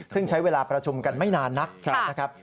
ซึ่งใช้เวลาประชุมกันไม่นานนักนะครับ